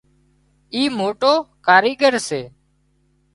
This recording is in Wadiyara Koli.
اي موٽو ڪاريڳر سي